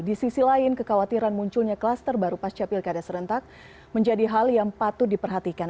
di sisi lain kekhawatiran munculnya klaster baru pasca pilkada serentak menjadi hal yang patut diperhatikan